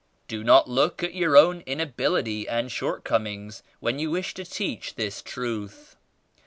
Do not look at your own inability and shortcomings when you wish to teach this Truth.